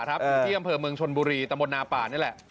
ที่อำเภอเมืองชลบุรีณนาป่า